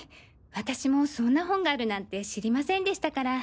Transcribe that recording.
私もそんな本があるなんて知りませんでしたから。